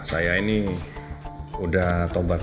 saya ini udah tobat